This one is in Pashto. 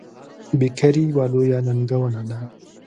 بیکاري یوه لویه ننګونه ده.